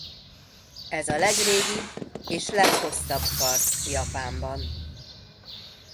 Ez a legrégibb és leghosszabb kard Japánban.